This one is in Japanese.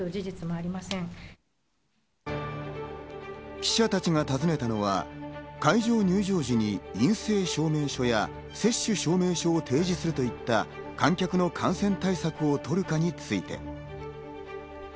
記者たちがたずねたのは、会場入場時に、陰性証明書や接種証明証を提示するといった観客の感染対策を取るかについて。